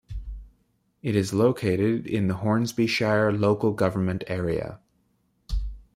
It is located in the Hornsby Shire local government area.